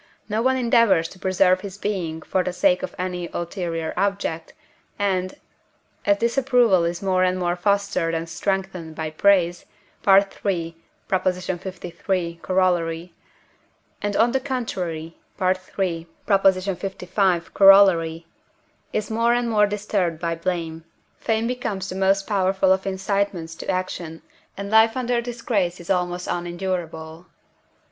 no one endeavours to preserve his being for the sake of any ulterior object, and, as this approval is more and more fostered and strengthened by praise (III. liii. Coroll.), and on the contrary (III. lv. Coroll.) is more and more disturbed by blame, fame becomes the most powerful of incitements to action, and life under disgrace is almost unendurable.